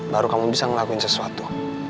baru kamu bisa ngelakuin sesuatu